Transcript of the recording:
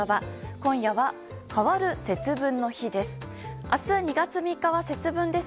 今夜は、変わる節分の日です。